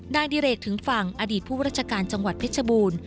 นายดิเรกถึงฝั่งอดีตผู้ราชการจังหวัดเพชรบูรณ์